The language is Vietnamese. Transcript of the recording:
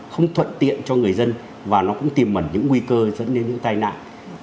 không thuận tiện cho người dân và nó cũng tìm mẩn những nguy cơ dẫn đến những tai nạn